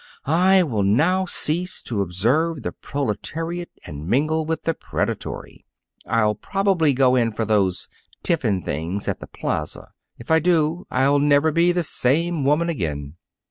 I will now cease to observe the proletariat and mingle with the predatory. I'll probably go in for those tiffin things at the Plaza. If I do, I'll never be the same woman again."